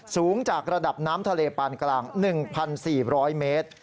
สูงจากระดับน้ำทะเลปานกลาง๑๔๐๐เมตร